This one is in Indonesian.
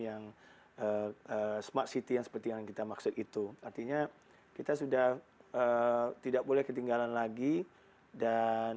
yang smart city yang seperti yang kita maksud itu artinya kita sudah tidak boleh ketinggalan lagi dan